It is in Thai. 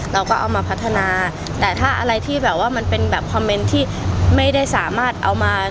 เราก็เอามาพัฒนาแต่ถ้าอะไรที่แบบว่ามันเป็นแบบคอมเมนต์ที่ไม่ได้สามารถเอามา